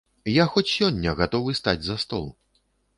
Я хоць сёння гатовы стаць за стол.